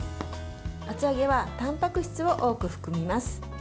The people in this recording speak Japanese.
厚揚げはたんぱく質を多く含みます。